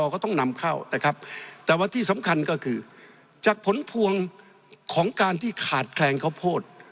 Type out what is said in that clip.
ก็ต้องนำเข้านะครับแต่ว่าที่สำคัญก็คือจากผลพวงของการที่ขาดแคลนข้าวโพด